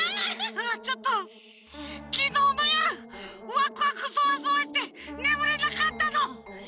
ちょっときのうのよるワクワクソワソワしてねむれなかったの！